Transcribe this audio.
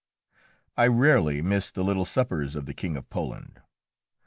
] I rarely missed the little suppers of the King of Poland.